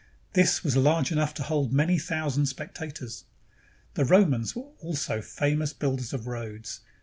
This was large enough to hold many thousand spectators. The Romans were also famous builders of roads.